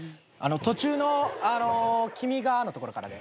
途中の「君が」の所からで。